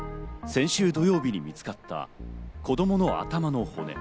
先週土曜日に見つかった子供の頭の骨。